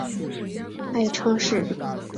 爱称是。